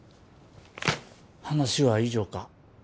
話は以上か？